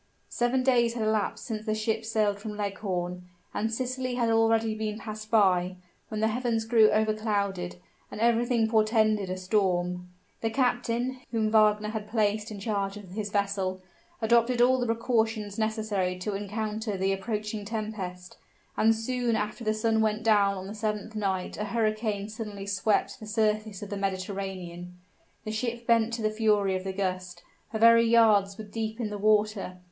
Seven days had elapsed since the ship sailed from Leghorn; and Sicily had already been passed by, when the heavens grew overclouded, and everything portended a storm. The captain, whom Wagner had placed in charge of his vessel, adopted all the precautions necessary to encounter the approaching tempest; and soon after the sun went down on the seventh night a hurricane suddenly swept the surface of the Mediterranean. The ship bent to the fury of the gust her very yards were deep in the water.